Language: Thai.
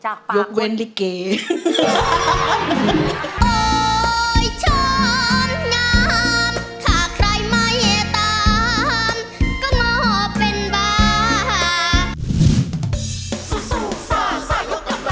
ยกเวรลิเกย์